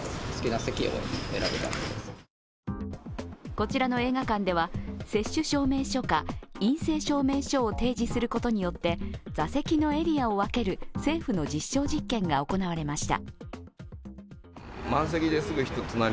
こちらの映画館では接種証明書か陰性証明書を提示することによって座席のエリアを分ける政府の実証実験が行われました。